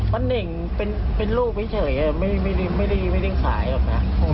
ตรงนี้แกจะพูดว่าวัฒนีนใส่ไหน